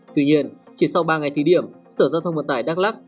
tuy nhiên chỉ sau ba ngày thí điểm sở giao thông vận tải đắk lắc